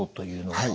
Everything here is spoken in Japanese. はい。